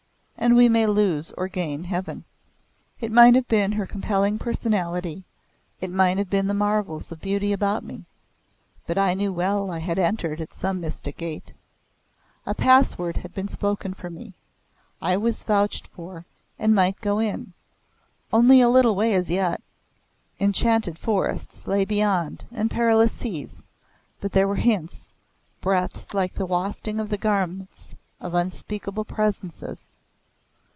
And we may lose or gain heaven." It might have been her compelling personality it might have been the marvels of beauty about me, but I knew well I had entered at some mystic gate. A pass word had been spoken for me I was vouched for and might go in. Only a little way as yet. Enchanted forests lay beyond, and perilous seas, but there were hints, breaths like the wafting of the garments of unspeakable Presences.